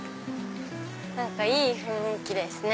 いい雰囲気ですね